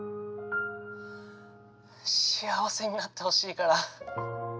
幸せになってほしいから。